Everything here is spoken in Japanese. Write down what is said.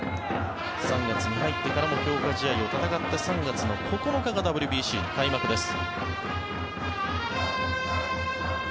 ３月に入ってからも強化試合を戦って３月の９日がＷＢＣの開幕です。